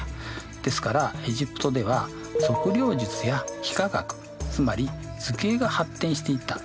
ですからエジプトでは測量術や幾何学つまり図形が発展していったというわけですね。